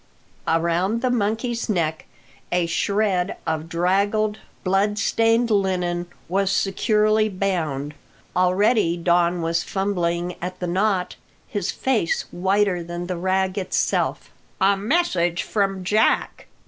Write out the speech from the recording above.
Around the monkey's neck a shred of draggled, blood stained linen was securely bound. Already Don was fumbling at the knot, his face whiter than the rag itself. "A message from Jack!"